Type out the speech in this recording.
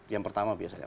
yang pertama biasanya